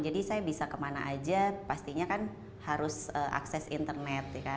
jadi saya bisa kemana aja pastinya kan harus akses internet